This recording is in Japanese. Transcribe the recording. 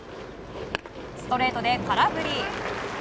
ストレートで空振り。